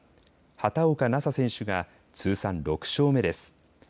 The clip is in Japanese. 畑岡奈紗選手が通算６勝目です。